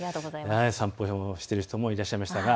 散歩をしてる人もいらっしゃいました。